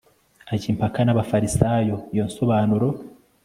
ajya impaka na bafarisayo, iyo nsobanuro